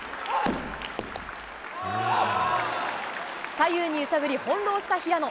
左右に揺さぶり翻弄した平野。